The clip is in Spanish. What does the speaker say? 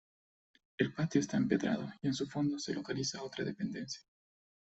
El patio está empedrado y en su fondo se localiza otra dependencia.